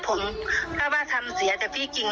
พี่ก็เลยบอกว่าน้องค่ะถ้าน้องยืดผมถ้าว่าทำเสียแต่พี่จริง